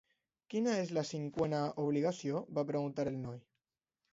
"Quina és la cinquena obligació?" va preguntar el noi.